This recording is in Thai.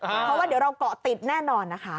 เพราะว่าเดี๋ยวเราเกาะติดแน่นอนนะคะ